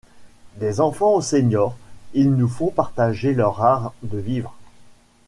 Des enfants aux seniors, ils nous font partager leur art de vivre.